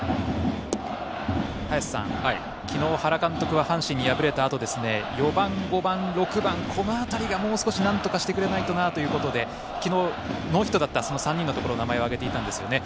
昨日、原監督は阪神に敗れたあと４番、５番、６番、この辺りがもう少しなんとかしてくれないとなということで昨日ノーヒットだった３人のところの名前を挙げていたんですね。